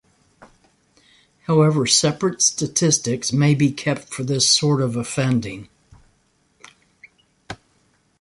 However separate statistics may be kept for this sort of offending.